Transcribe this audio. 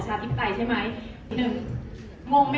อ๋อแต่มีอีกอย่างนึงค่ะ